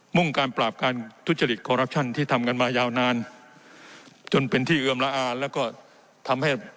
่งการปราบการทุจริตคอรัปชั่นที่ทำกันมายาวนานจนเป็นที่เอือมละอาแล้วก็ทำให้